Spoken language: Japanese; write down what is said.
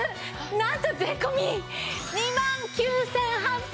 なんと税込２万９８００円です！